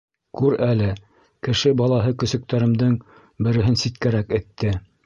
Күр әле, кеше балаһы көсөктәремдең береһен ситкәрәк этте.